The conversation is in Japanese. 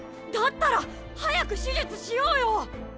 だったら早く手術しようよ。